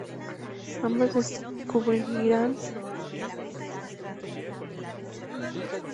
Ambas descubrirán que una cosa es la teoría y otra la práctica.